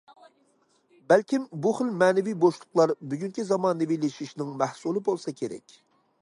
بەلكىم بۇ خىل مەنىۋى بوشلۇقلار بۈگۈنكى زامانىۋىلىشىشنىڭ مەھسۇلى بولسا كېرەك.